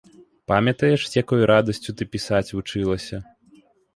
Памятаеш, з якой радасцю ты пісаць вучылася?